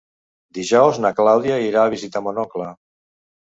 Dijous na Clàudia irà a visitar mon oncle.